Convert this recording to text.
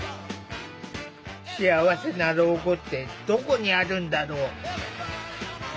幸せな老後ってどこにあるんだろう？